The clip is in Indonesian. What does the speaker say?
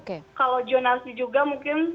kalau zonasi juga mungkin